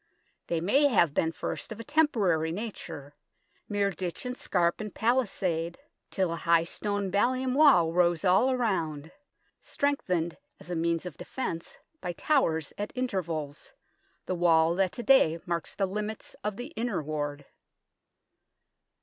They may have been first of a temporary nature, mere ditch and scarp and pallisade till a high stone ballium wall rose all round, strengthened as a means of defence by towers at intervals the wall that to day marks the limits of the Inner Ward.